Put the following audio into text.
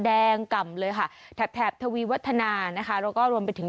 แดงก่ำเลยค่ะแถบแถบทวีวัฒนานะคะแล้วก็รวมไปถึง